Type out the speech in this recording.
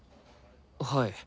はい。